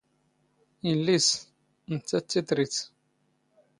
ⵉⵍⵍⵉⵙ, ⵏⵜⵜⴰⵜ ⵜⵉⵜⵔⵉⵜ.